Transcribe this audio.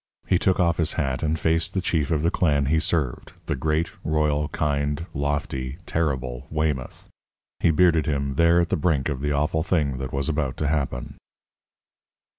He took off his hat and faced the chief of the clan he served, the great, royal, kind, lofty, terrible Weymouth he bearded him there at the brink of the awful thing that was about to happen.